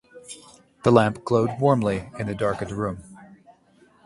The lamp glowed warmly in the darkened room